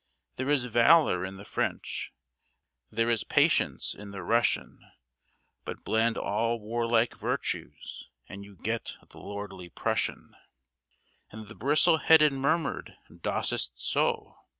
There is valour in the French, there is patience in the Russian, But blend all war like virtues and you get the lordly Prussian," And the bristle headed murmured, "_Das ist so.